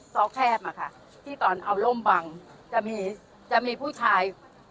ซอแคบอะค่ะที่ตอนเอาร่มบังจะมีจะมีผู้ชาย